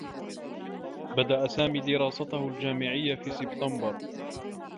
بدأ سامي دراسته الجامعيّة في سبتمبر.